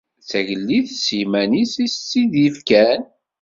D tagellidt s yiman-is i yi-tt-id-yefkan.